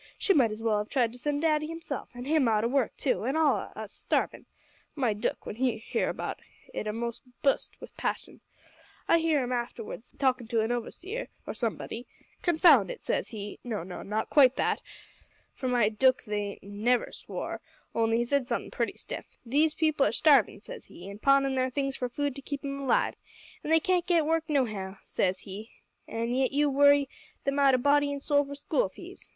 she might as well have tried to send daddy himself; an' him out o' work, too, an' all on us starvin'. My dook, when he hear about it a'most bust wi' passion. I hear 'im arterwards talkin' to a overseer, or somebody, "confound it," says he no, not quite that, for my dook he never swore, only he said somethin' pretty stiff "these people are starvin'," says he, "an' pawnin' their things for food to keep 'em alive, an' they can't git work nohow," says he, "an' yet you worry them out o' body an' soul for school fees!"